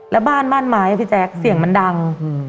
และบ้านมาให้พี่แจ๊กเสียงมันดัง